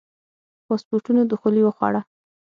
پاسپورتونو دخولي وخوړه.